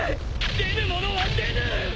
出ぬものは出ぬ！